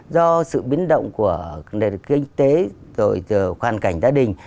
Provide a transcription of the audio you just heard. do sự biến động của kinh tế rồi hoàn cảnh gia đình